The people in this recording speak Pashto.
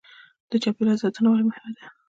د چاپیریال ساتنه ولې مهمه ده